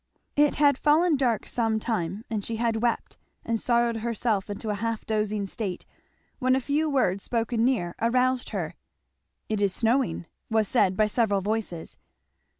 It had fallen dark some time, and she had wept and sorrowed herself into a half dozing state, when a few words spoken near aroused her. "It is snowing," was said by several voices.